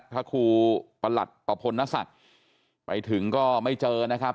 พระครูประหลัดประพลนศักดิ์ไปถึงก็ไม่เจอนะครับ